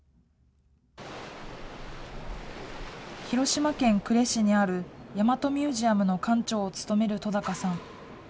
広島県呉市にある、大和ミュージアムの館長を務める戸高さん。